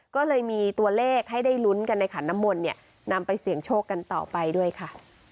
ก็เลยมีตัวเลขให้ได้ลุ้นกันในขันน้ำมนต์เนี่ยนำไปเสี่ยงโชคกันต่อไปด้วยค่ะ